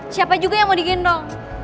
siapa juga yang mau digendong